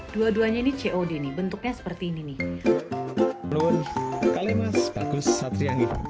dua duanya ini cod nih bentuknya seperti ini nih